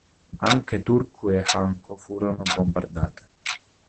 Anche Turku e Hanko furono bombardate.